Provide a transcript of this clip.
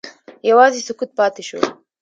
یوازې سکوت پاتې شو.